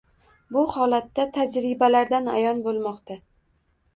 Bu holatda, tajribalardan ayon bo‘lmoqda